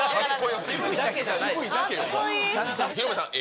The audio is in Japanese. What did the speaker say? ヒロミさん、Ａ。